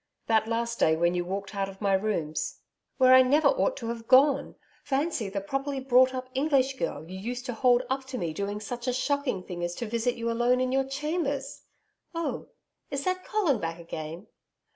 That last day when you walked out of my rooms....' 'Where I never ought to have gone. Fancy the properly brought up English girl you used to hold up to me doing such a shocking thing as to visit you alone in your chambers! ... Oh! Is that Colin back again?'